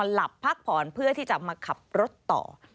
หลับพักผ่อนเพื่อที่จะมาขับรถต่อ